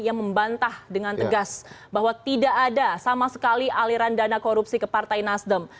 yang membantah dengan tegas bahwa tidak ada sama sekali aliran dana korupsi ke partai nasdem